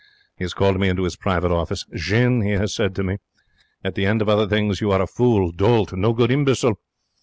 He has called me into his private office. 'Jean,' he has said to me, at the end of other things, 'you are a fool, dolt, no good imbecile.